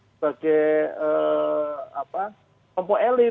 sebagai kelompok elit